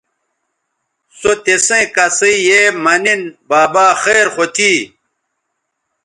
سو تسیئں کسئ یے مہ نِن بابا خیر خو تھی